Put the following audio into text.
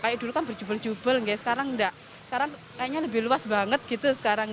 kayak dulu kan berjubel jubel kayak sekarang enggak karena kayaknya lebih luas banget gitu sekarang